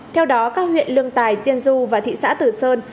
theo đó các huyện lương tài tiên du và thị xã tử sơn